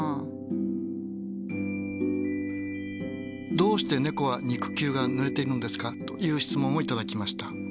「どうしてねこは肉球がぬれているのですか？」という質問を頂きました。